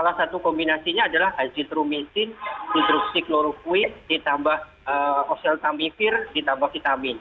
nah satu kombinasi itu adalah azitromisin hidroksikloroquine ditambah oseltamifir ditambah vitamin